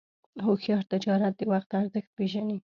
هوښیار تجارت د وخت ارزښت پېژني.